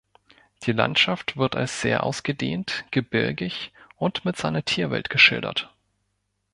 Die Landschaft wird als sehr ausgedehnt, gebirgig und mit seiner Tierwelt geschildert.